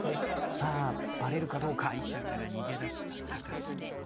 さあバレるかどうか？